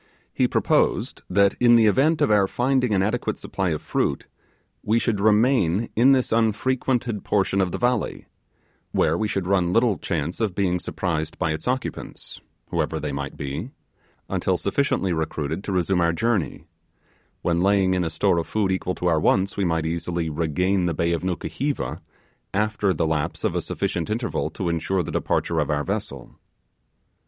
He proposed that in the event of our finding an adequate supply of fruit, we should remain in this unfrequented portion of the country where we should run little chance of being surprised by its occupants, whoever they might be until sufficiently recruited to resume our journey; when laying a store of food equal to our wants, we might easily regain the bay of Nukuheva, after the lapse of a sufficient interval to ensure the departure of our vessel.